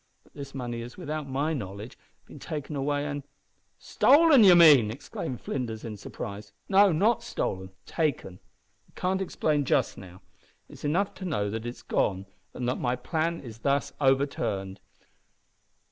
But this money has, without my knowledge, been taken away and " "Stolen, you mean!" exclaimed Flinders, in surprise. "No, not stolen taken! I can't explain just now. It's enough to know that it is gone, and that my plan is thus overturned."